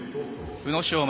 宇野昌磨